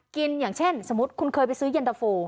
อย่างเช่นสมมุติคุณเคยไปซื้อเย็นตะโฟ